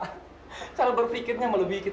kalau berpikirnya melukisnya ibu tidak akan mencari dia